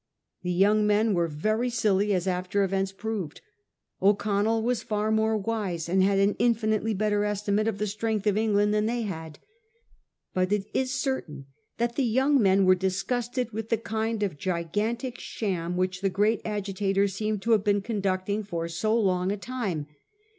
The young men were very silly, as after events proved. O'Con nell was far more wise, and had an infinitely better estimate of the strength of England than they had. But it is certain that the young men were disgusted with the kind of gigantic sham which the great agi tator seemed to have been conducting for so long a time.